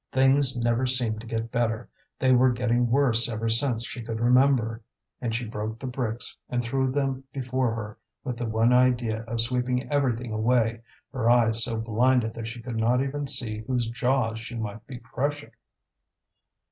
Things never seemed to get better; they were getting worse ever since she could remember. And she broke the bricks and threw them before her with the one idea of sweeping everything away, her eyes so blinded that she could not even see whose jaws she might be crushing.